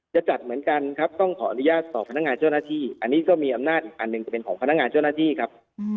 จะจัดเหมือนกันครับต้องขออนุญาตต่อพนักงานเจ้าหน้าที่อันนี้ก็มีอำนาจอีกอันหนึ่งจะเป็นของพนักงานเจ้าหน้าที่ครับ